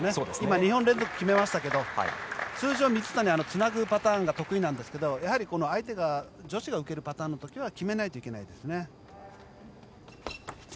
２本連続決めましたけど通常、水谷はつなぐパターンが得意なんですがやはり相手女子が受けるパターンの時は決めないといけないですね。